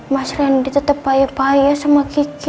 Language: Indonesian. mas randy tetep bayar bayar sama kiki